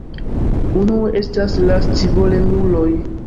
Unue estas la scivolemuloj.